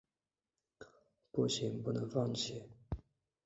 不行，不能放弃